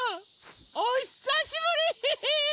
おひさしぶり！